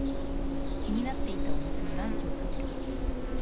気になっていたお店のランチを食べる。